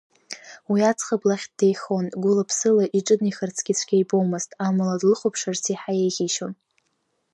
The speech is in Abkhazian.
Уи аӡӷаб лахь деихон гәыла-ԥсыла, иҿынеихарцгьы цәгьа ибомызт, амала длыхәаԥшырц иаҳа еиӷьишьон.